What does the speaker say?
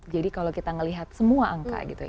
jadi kalau kita ngelihat semua angka gitu ya